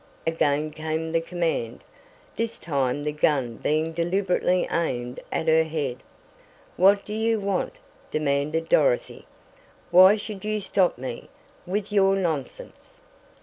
again came the command, this time the gun being deliberately aimed at her head! "What do you want?" demanded Dorothy. "Why should you stop me with your nonsense?"